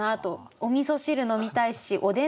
おみそ汁飲みたいしおでん